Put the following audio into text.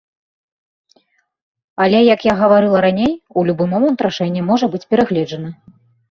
Але як я гаварыла раней, у любы момант рашэнне можа быць перагледжана.